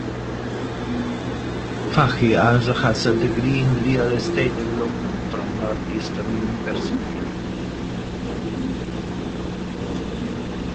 Fahey also has a degree in real estate development from Northeastern University.